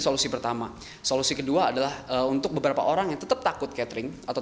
solusi pertama solusi kedua adalah untuk beberapa orang yang tetap takut catering atau